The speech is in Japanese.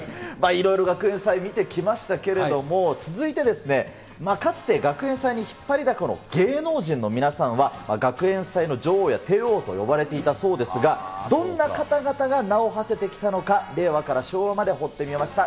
いろいろ学園祭、見てきましたけれども、続いて、かつて学園祭に引っ張りだこの芸能人の皆さんは、学園祭の女王や帝王と呼ばれていたそうですが、どんな方々が名をはせてきたのか、令和から昭和まで掘ってみました。